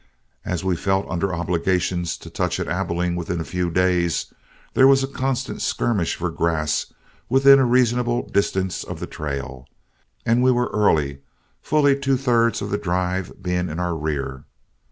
As we felt under obligations to touch at Abilene within a few days, there was a constant skirmish for grass within a reasonable distance of the trail; and we were early, fully two thirds of the drive being in our rear.